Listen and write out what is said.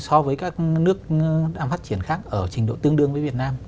so với các nước đang phát triển khác ở trình độ tương đương với việt nam